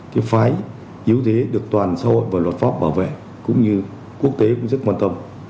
cái phái yếu thế được toàn xã hội và luật pháp bảo vệ cũng như quốc tế cũng rất quan tâm